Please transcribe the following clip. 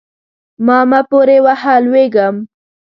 ما مه پورې وهه؛ لوېږم.